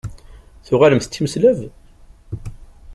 Tuɣalemt d timeslab?